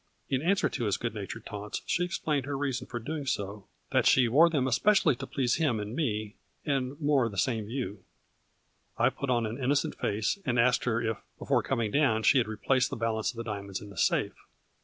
In answer to his good natured taunts she explained her reason for doing so, that she wore them especially to please him and me, A FLURRY IN DIAMONDS. and more in the same view. I put on an innocent face and asked her if, before coming down, she had replaced the balance of the diamonds in the safe.